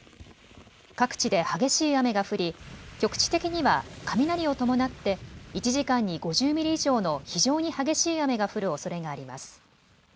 各地で激しい雨が降り局地的には雷を伴って１時間に５０ミリ以上の非常に激しい雨が降るおそれがあります。